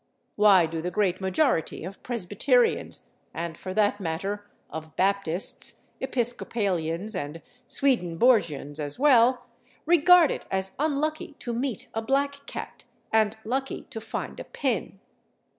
Why do the great majority of Presbyterians (and, for that matter, of Baptists, Episcopalians, and Swedenborgians as well) regard it as unlucky to meet a black cat and lucky to find a pin?